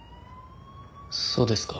そうですか。